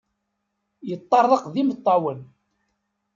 Yeṭṭerḍeq d imeṭṭawen.